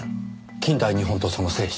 『近代日本とその精神』。